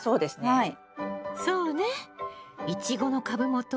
はい。